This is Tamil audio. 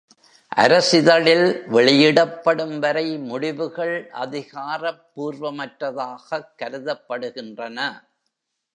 அரசிதழில் வெளியிடப்படும் வரை முடிவுகள் அதிகாரப்பூர்வமற்றதாகக் கருதப்படுகின்றன.